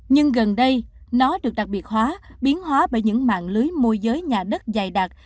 nhưng gần đây nó được đặc biệt hóa biến hóa bởi những mạng lưới môi giới nhà đất dày đặc